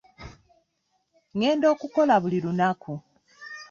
Ngenda okukola buli lunaku.